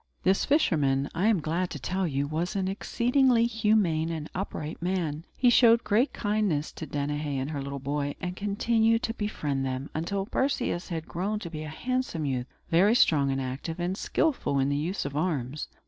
This fisherman, I am glad to tell you, was an exceedingly humane and upright man. He showed great kindness to Danaë and her little boy; and continued to befriend them, until Perseus had grown to be a handsome youth, very strong and active, and skilful in the use of arms.